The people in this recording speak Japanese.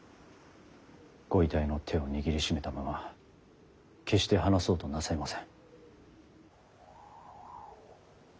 ご遺体の手を握りしめたまま決して離そうとなさいません。